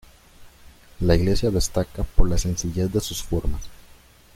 La iglesia destaca por la sencillez de sus formas.